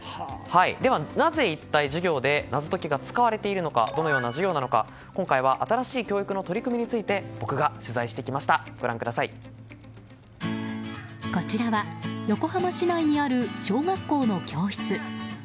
では、なぜ一体授業で謎解きが使われているのかどのような授業なのか今回は新しい教育の取り組みについてこちらは横浜市内にある小学校の教室。